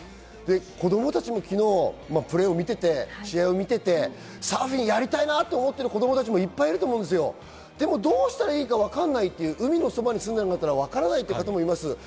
子供たちも昨日プレーを見ていて、サーフィンやりたいなと思っている子供もいっぱいいると思います、でもどうしたらいいかわかんない、海のそばに住んでいなかったら分かんないという方もいます。